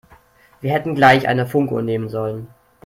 Wir hätten gleich eine Funkuhr nehmen sollen.